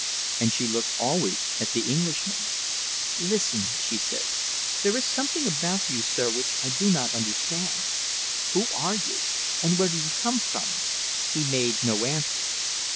And she looked always at the Englishman. "Listen," she said, "there is something about you, sir, which I do not understand. Who are you, and where do you come from?" He made no answer.